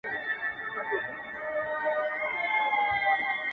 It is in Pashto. ستـا د سونډو رنگ.